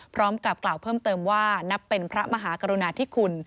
พร้อมกับกล่าวเพิ่มเติมว่านับเป็นพระมหากรุณาธิคุณ